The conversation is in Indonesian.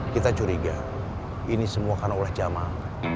kita curiga ini semua karena ulah jamak